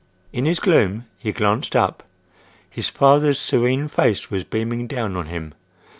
In his gloom he glanced up. His father's serene face was beaming down on him.